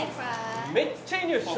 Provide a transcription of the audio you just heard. めっちゃいい匂いした！